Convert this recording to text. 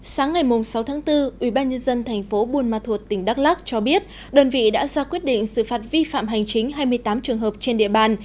sáng ngày sáu tháng bốn ubnd tp buôn ma thuột tỉnh đắk lắc cho biết đơn vị đã ra quyết định xử phạt vi phạm hành chính hai mươi tám trường hợp trên địa bàn